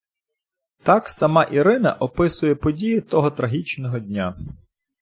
Так сама Ірина описує події того трагічного дня.